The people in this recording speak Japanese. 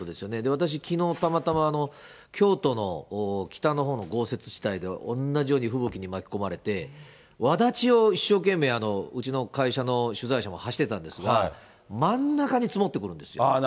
私きのう、たまたま京都の北のほうの豪雪地帯で、同じように吹雪に巻き込まれて、わだちを一生懸命、うちの会社の取材車も走ってたんですが、真ん中に積もってくるんですよ。